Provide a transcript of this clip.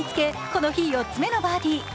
この日４つ目のバーディー。